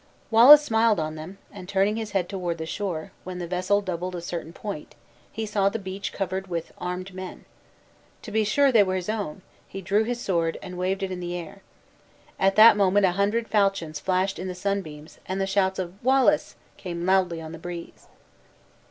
Wallace smiled on them; and turning his head toward the shore, when the vessel doubled a certain point, he saw the beach covered with armed men. To be sure they were his own, he drew his sword, and waved it in the air. At that moment a hundred falchions flashed in the sunbeams, and the shouts of "Wallace!" came loudly on the breeze.